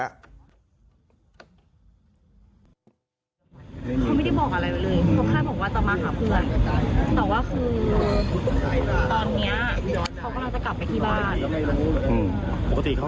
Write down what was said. เขาไม่ได้บอกอะไรไว้เลยเขาแค่บอกว่าจะมาหาเพื่อนแต่ว่าคือตอนเนี้ยเขากำลังจะกลับไปที่บ้าน